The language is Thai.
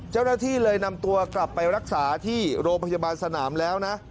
เจ้าหน้าที่เลยนำตัวกลับไปรักษาที่โรงพยาบาลสนามแล้วนะ